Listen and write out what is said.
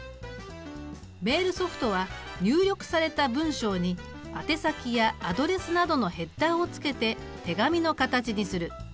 メールソフトは入力された文章に宛先やアドレスなどのヘッダーをつけて手紙の形にする。